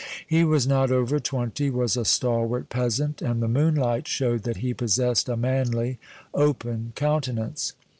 He was not over twenty, was a stalwart peasant, and the moonlight showed that he possessed a manly, open countenance.